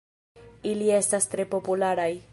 Ili estas tre popularaj.